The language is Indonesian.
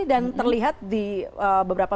dan terlihat di beberapa